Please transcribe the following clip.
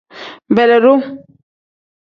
Beelidu.